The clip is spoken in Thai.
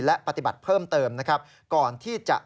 และปฏิบัติเพิ่มเติมนะครับ